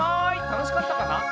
たのしかったかな？